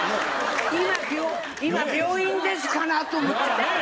「今病院です」かなと思っちゃう。